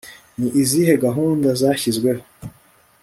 ni izihe gahunda zashyizweho